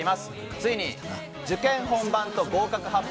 ついに受験本番と合格発表。